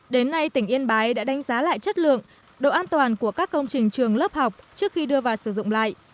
đến nay tỉnh yên bái đã đánh giá lại chất lượng độ an toàn của các công trình trường lớp học trước khi đưa vào sử dụng lại